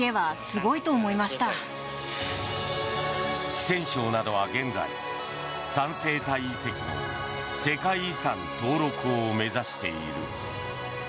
四川省などは現在三星堆遺跡の世界遺産登録を目指している。